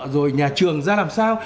rồi nhà trường ra làm sao